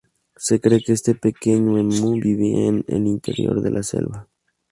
Se cree que este pequeño emú vivía en el interior de la selva.